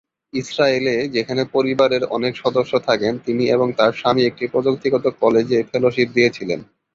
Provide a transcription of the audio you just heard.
ইসরায়েলে, যেখানে পরিবারের অনেক সদস্য থাকেন, তিনি এবং তার স্বামী একটি প্রযুক্তিগত কলেজে ফেলোশিপ দিয়েছিলেন।